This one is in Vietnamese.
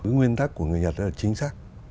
nguyên thắc của người nhật ấy chính xác